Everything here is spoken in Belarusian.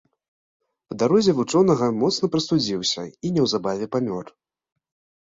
Па дарозе вучонага моцна прастудзіўся і неўзабаве памёр.